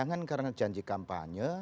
jangan karena janji kampanye